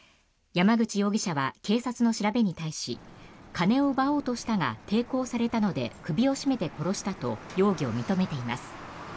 山口容疑者は警察の調べに対し金を奪おうとしたが抵抗されたので首を絞めて殺したと容疑を認めています。